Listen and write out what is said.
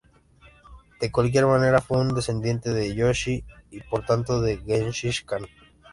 De cualquier manera, fue un descendiente de Jochi y por tanto de Genghis Khan.